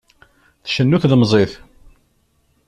Tcennu tlemẓit.